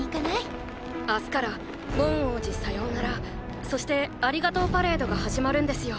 明日から「ボン王子さようならそしてありがとうパレード」が始まるんですよ。